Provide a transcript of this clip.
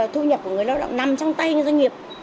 thu nhập của người lao động nằm trong tay doanh nghiệp